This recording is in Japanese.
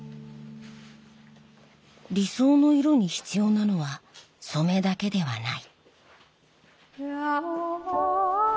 理想の色に必要なのは染めだけではない。